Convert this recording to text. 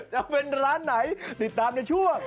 จะเป็นร้านไหนติดตามในช่วง